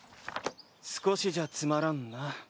少しじゃつまらんな。